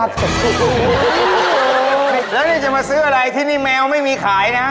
แล้วนี่จะมาซื้ออะไรที่นี่แมวไม่มีขายนะฮะ